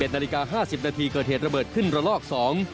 นาฬิกา๕๐นาทีเกิดเหตุระเบิดขึ้นระลอก๒